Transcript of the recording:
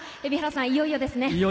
いよいよですね。